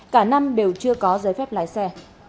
cả năm đều chưa có giới phép lái xe